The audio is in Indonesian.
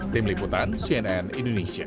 tim liputan cnn indonesia